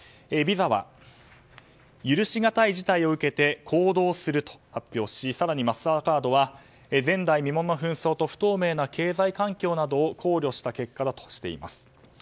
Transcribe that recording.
ＶＩＳＡは許しがたい事態を受けて行動すると発表し更にマスターカードは前代未聞の紛争と不透明な経済環境などを考慮した結果だとしています。